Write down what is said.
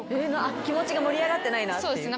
気持ちが盛り上がってないなっていう？